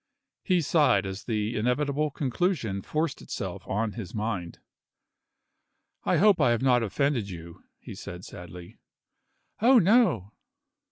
He sighed as the inevitable conclusion forced itself on his mind. "I hope I have not offended you?" he said sadly. "Oh, no."